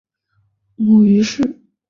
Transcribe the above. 母于氏。